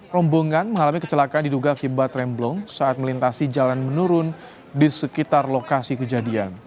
rombongan mengalami kecelakaan diduga akibat remblong saat melintasi jalan menurun di sekitar lokasi kejadian